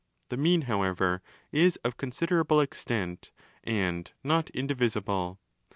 The 'mean', however, is of considerable extent and not indivisible.